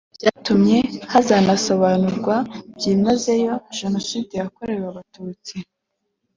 byatumye hazanasobanurwa byimazeyo Jenoside yakorewe Abatutsi